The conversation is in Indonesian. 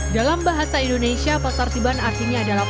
dalam bahasa indonesia pasar tiban artinya adalah